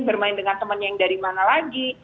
bermain dengan temannya yang dari mana lagi